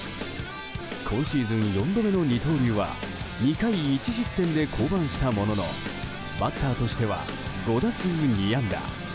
今シーズン４度目の二刀流は２回１失点で降板したもののバッターとしては５打数２安打。